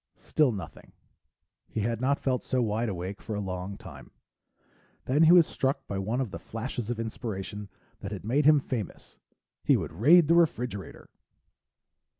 Still nothing; he had not felt so wide awake for a long time. Then he was struck by one of the flashes of inspiration that had made him famous he would raid the refrigerator.